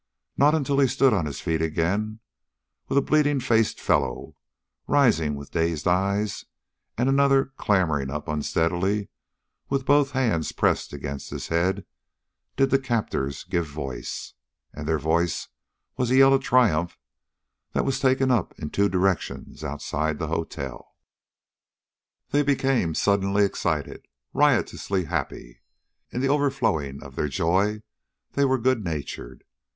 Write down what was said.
Not until he stood on his feet again, with a bleeding faced fellow rising with dazed eyes, and another clambering up unsteadily, with both hands pressed against his head, did the captors give voice. And their voice was a yell of triumph that was taken up in two directions outside the hotel. They became suddenly excited, riotously happy. In the overflowing of their joy they were good natured.